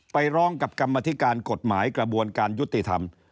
ไปร้องกับกรรมธิการกฎหมายกระบวนการยุติธรรม